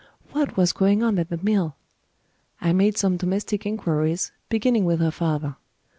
What was going on at the mill? I made some domestic inquiries, beginning with her father.